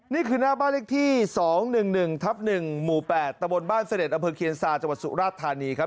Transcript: นี่คือหน้าบ้านเลขที่๒๑๑ทับ๑หมู่๘ตะบนบ้านเสด็จอำเภอเคียนซาจังหวัดสุราชธานีครับ